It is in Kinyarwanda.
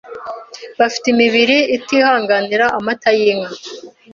bafite imibiri itihanganira amata y’inka